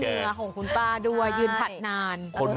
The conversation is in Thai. กล้ามเหนือของคุณป้าด้วยยืนผัดนาน